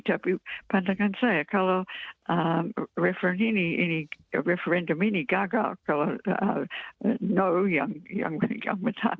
tapi pandangkan saya kalau referendum ini gagal kalau no yang menang